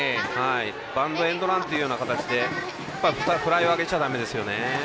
バントエンドランという形でフライを上げちゃだめですね。